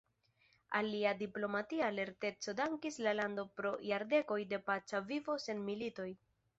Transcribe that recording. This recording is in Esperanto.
Al lia diplomatia lerteco dankis la lando pro jardekoj de paca vivo sen militoj.